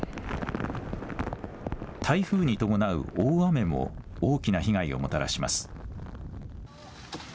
台風に伴う大雨も大きな被害をもたらします。